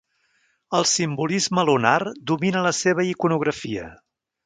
El simbolisme lunar domina la seva iconografia.